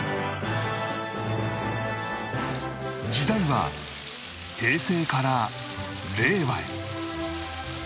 時代は平成から令和へ